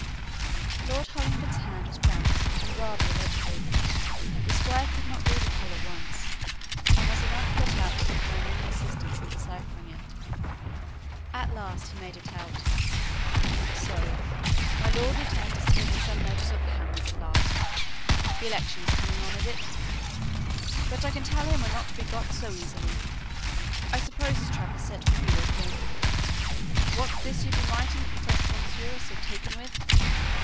Lord Hollingford's hand was cramped and rather illegible. The squire could not read it all at once, and was enough put out to decline any assistance in deciphering it. At last he made it out. "So my lord lieutenant is taking some notice of the Hamleys at last. The election is coming on, is it? But I can tell him we're not to be got so easily. I suppose this trap is set for you, Osborne? What's this you've been writing that the French mounseer is so taken with?"